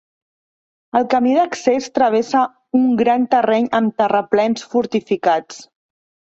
El camí d'accés travessa un gran terreny amb terraplens fortificats.